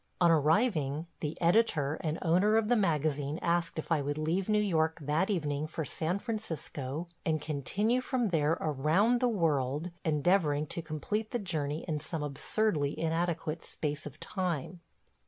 On arriving, the editor and owner of the magazine asked if I would leave New York that evening for San Francisco and continue from there around the world, endeavoring to complete the journey in some absurdly inadequate space of time.